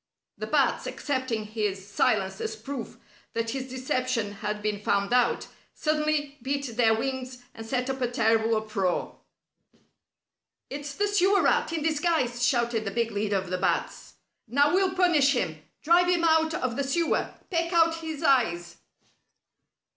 The Bats, accepting his silence as proof that his deception had been found out, suddenly beat their wings and set up a terrible uproar. "It's the Sewer Rat in disguise!" shouted the big leader of the Bats. "Now we'll punish him! Drive him out of the sewer! Peck out his eyes!"